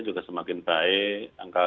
juga semakin baik angka